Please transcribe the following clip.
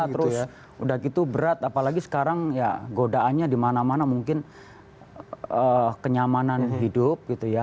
terus udah gitu berat apalagi sekarang ya godaannya dimana mana mungkin kenyamanan hidup gitu ya